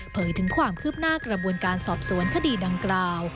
ถึงความคืบหน้ากระบวนการสอบสวนคดีดังกล่าว